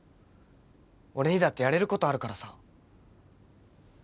俺にだってやれることあるからさ